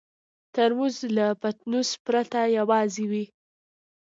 ترموز له پتنوس پرته یوازې وي.